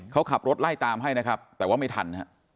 เขาขับรถไล่ตามให้นะครับแต่ว่าไม่ทันฮะ